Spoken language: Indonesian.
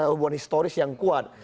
hubungan historis yang kuat